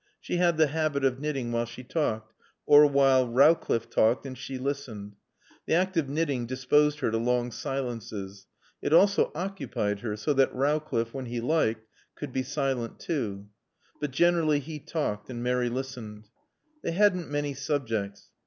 She had the habit of knitting while she talked, or while Rowcliffe talked and she listened. The act of knitting disposed her to long silences. It also occupied her, so that Rowcliffe, when he liked, could be silent too. But generally he talked and Mary listened. They hadn't many subjects.